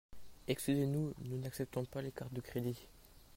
Excusez-nous, nous n'acceptons pas les cartes de crédit.